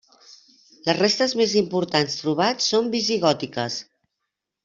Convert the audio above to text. Les restes més importants trobats són visigòtiques.